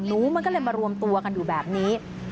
หนูมันก็เลยมารวมตัวกันอยู่แบบนี้